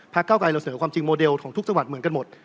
เก้าไกรเราเสนอความจริงโมเดลของทุกจังหวัดเหมือนกันหมด